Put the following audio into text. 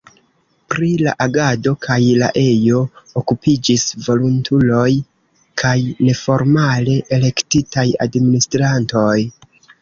Pri la agado kaj la ejo okupiĝis volontuloj kaj neformale elektitaj administrantoj.